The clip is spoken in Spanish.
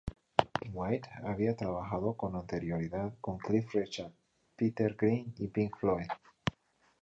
White había trabajado con anterioridad con Cliff Richard, Peter Green y Pink Floyd.